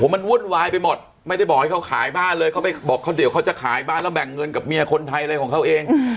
มันวุ่นวายไปหมดไม่ได้บอกให้เขาขายบ้านเลยเขาไปบอกเขาเดี๋ยวเขาจะขายบ้านแล้วแบ่งเงินกับเมียคนไทยอะไรของเขาเอง